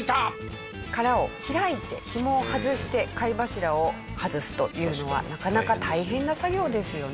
殻を開いてヒモを外して貝柱を外すというのはなかなか大変な作業ですよね。